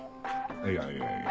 いやいやいや。